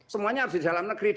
semuanya harus di dalam negeri